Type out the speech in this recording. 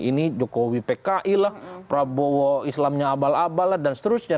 ini jokowi pki lah prabowo islamnya abal abal lah dan seterusnya